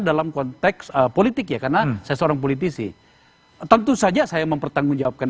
dalam konteks politik ya karena saya seorang politisi tentu saja saya mempertanggungjawabkan